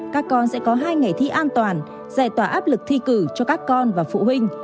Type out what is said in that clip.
các con sẽ có hai ngày thi an toàn giải tỏa áp lực thi cử cho các con và phụ huynh